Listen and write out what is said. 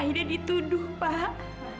aida dituduh pak